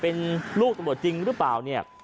เป็นลูกตำรวจจริงหรือเปล่าเนี่ย